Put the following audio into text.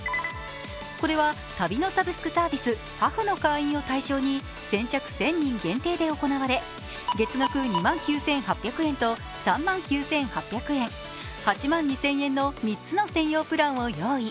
これは旅のサブスクサービス、ＨａｆＨの会員を対象に先着１０００人限定で行われ、月額２万９８００円と３万９８００円、８万２０００円の３つの専用プランを用意。